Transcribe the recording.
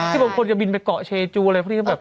บางคนจะบินไปเกาะเชจูอะไรพวกนี้ก็แบบ